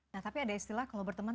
nah tapi ada istilah kalau berteman